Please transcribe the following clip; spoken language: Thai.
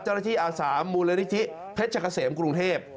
เจ้าหน้าที่อาสารมูลเรตริฐิเพชรกะเสมกรุงเทพ